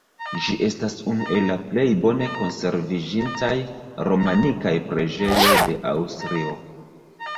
Ĝi estas unu el la plej bone konserviĝintaj romanikaj preĝejoj de Aŭstrio.